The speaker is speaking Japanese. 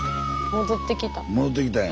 戻ってきたんや。